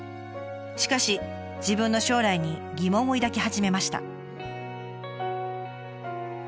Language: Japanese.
しかし自分の将来に疑問を抱き始めました。